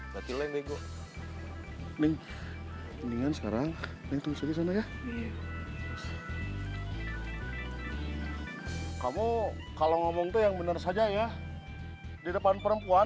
hai ming mingan sekarang yang terus aja kamu kalau ngomong yang bener saja ya di depan perempuan